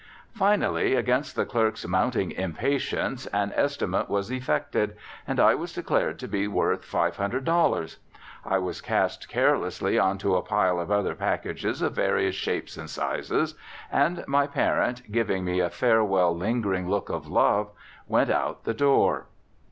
Finally, against the clerk's mounting impatience, an estimate was effected, and I was declared to be worth $500. I was cast carelessly on to a pile of other packages of various shapes and sizes, and my parent, giving me a farewell lingering look of love, went out the door.